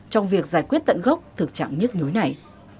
trong việc giải quyết tận gốc thực trạng nhức nhối này